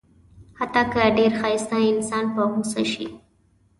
حتی که ډېر ښایسته انسان په غوسه شي.